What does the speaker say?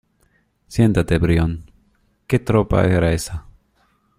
siéntate, Brión... ¿ qué tropa era esa?